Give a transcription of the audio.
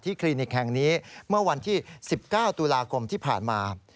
คลินิกแห่งนี้เมื่อวันที่๑๙ตุลาคมที่ผ่านมา